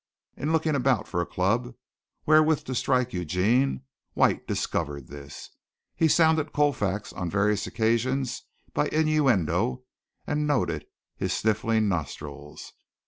In looking about for a club wherewith to strike Eugene, White discovered this. He sounded Colfax on various occasions by innuendo, and noted his sniffing nostrils.